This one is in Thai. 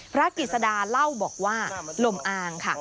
พระกิจสดาเล่าบอกว่าลมอางค่ะ